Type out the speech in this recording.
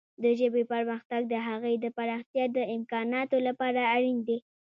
د ژبې پرمختګ د هغې د پراختیا د امکاناتو لپاره اړین دی.